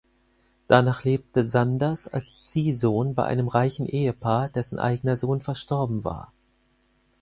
Danach lebte Sanders als Ziehsohn bei einem reichen Ehepaar, dessen eigener Sohn verstorben war.